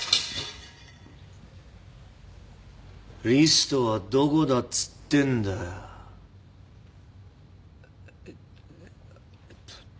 リストはどこだっつってんだよ。ええっと。